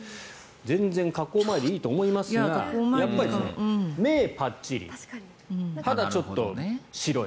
全然加工前でいいと思いますが目がぱっちり肌がちょっと白い。